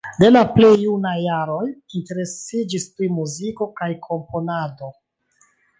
De la plej junaj jaroj interesiĝis pri muziko kaj komponado.